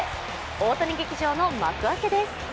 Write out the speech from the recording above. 大谷劇場の幕開けです。